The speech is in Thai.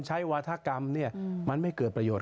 ใช้วัฒนกรรมเนี่ยมันไม่เกิดประโยชน์